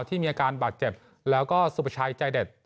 ที่มีอาการบาดเจ็บแล้วก็สุประชัยใจเด็ด